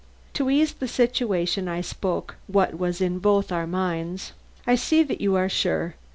To ease the situation, I spoke what was in both our minds. "I see that you are sure.